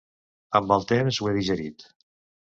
Amb el temps ho he digerit.